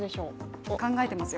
考えますよ。